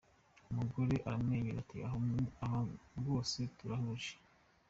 Umugore aramwenyura ati "Aho rwose turahuje.